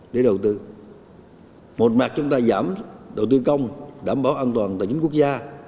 để đầu tư một mặt chúng ta giảm đầu tư công đảm bảo an toàn tài chính quốc gia